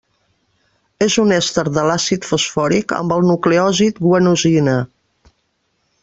És un èster de l'àcid fosfòric amb el nucleòsid guanosina.